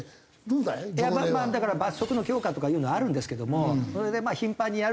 だから罰則の強化とかいうのはあるんですけどもそれで頻繁にやるっていう。